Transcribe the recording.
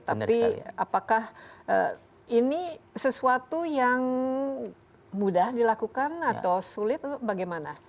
tapi apakah ini sesuatu yang mudah dilakukan atau sulit atau bagaimana